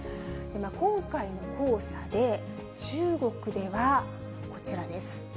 今回の黄砂で、中国では、こちらです。